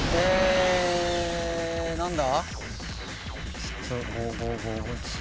何だ？